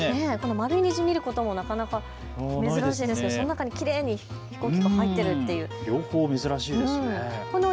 丸い虹を見ることもなかなか珍しいですしその中にきれいに飛行機が入っている、両方珍しいですね。